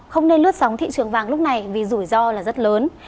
không nên lướt sóng thị trường vàng lúc này vì rủi ro là rất lớn